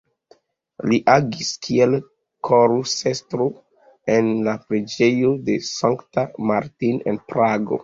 Li agis kiel korusestro en la Preĝejo de Sankta Martin en Prago.